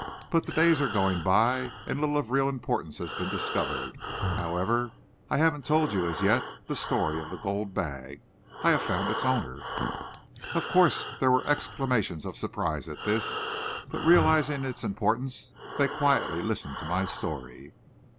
But the days are going by and little of real importance has been discovered. However, I haven't told you as yet, the story of the gold bag. I have found its owner." Of course there were exclamations of surprise at this, but realizing its importance they quietly listened to my story.